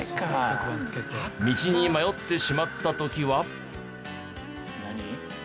道に迷ってしまった時は。